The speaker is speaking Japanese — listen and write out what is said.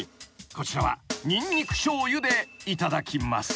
［こちらはにんにくしょうゆでいただきます］